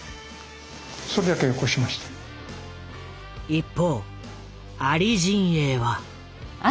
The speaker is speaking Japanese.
一方アリ陣営は。